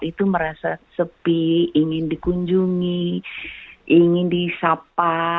itu merasa sepi ingin dikunjungi ingin disapa